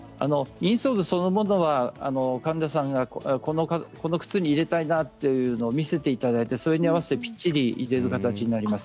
インストールそのものは患者さんがこの靴に入れたいなというものを見せていただいてそれに合わせてきっちり入れる形になります。